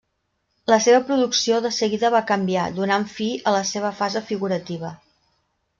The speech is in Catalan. La seva producció de seguida va canviar, donant fi a la seva fase figurativa.